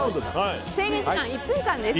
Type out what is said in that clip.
制限時間は１分間です。